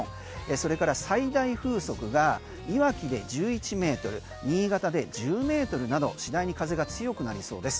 それから最大風速がいわきで１１ｍ新潟で１０ｍなど次第に風が強くなりそうです。